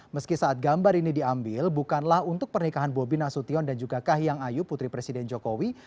meski saat gambar ini diambil bukanlah untuk pernikahan bobi nasution dan juga kahiyang ayu putri presiden jokowi